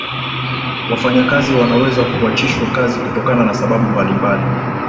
wafanyakazi wanaweza kuachishwa kazi kutokana na sababu mbalimbali